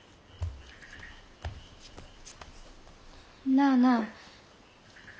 なあなあ。